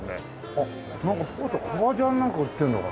あっポーター革ジャンなんか売ってるのか。